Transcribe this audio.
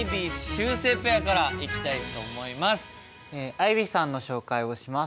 アイビーさんの紹介をします。